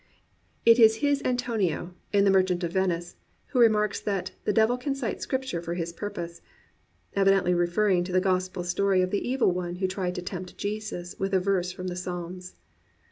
It is his Antonio, in The Merchant of Venice, who remarks that "the Devil can cite Scripture for his purpose," evidently referring to the Gospel story of the evil one who tried to tempt Jesus with a verse from the Psalms.